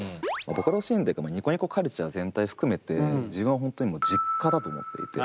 ボカロシーンというかニコニコカルチャー全体含めて自分は本当に実家だと思っていて。